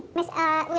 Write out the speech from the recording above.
wilayah alex di situ